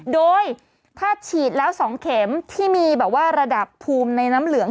โดยถ้าฉีดแล้ว๒เข็มที่มีแบบว่าระดับภูมิในน้ำเหลือง